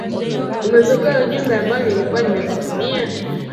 Umepokea ujumbe ambao nilikutumia?